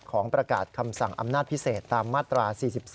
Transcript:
ประกาศคำสั่งอำนาจพิเศษตามมาตรา๔๒